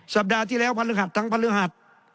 สัปดาห์ที่แล้วทั้งภรรยาหัส